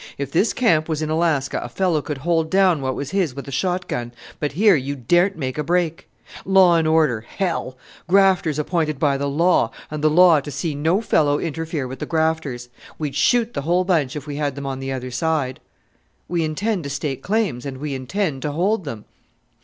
If this camp was in Alaska a fellow could hold down what was his with a shot gun; but here you daren't make a break. Law and order! hell! Grafters appointed by the law, and the law to see no fellow interfere with the grafters! We'd shoot the whole bunch if we had them on the other side." "We intend to stake claims, and we intend to hold them."